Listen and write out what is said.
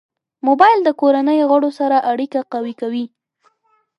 موبایل د کورنۍ غړو سره اړیکه قوي کوي.